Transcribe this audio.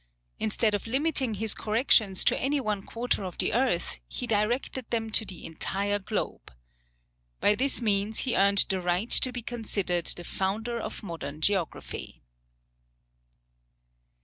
Instead of limiting his corrections to any one quarter of the earth, he directed them to the entire globe. By this means he earned the right to be considered the founder of modern geography."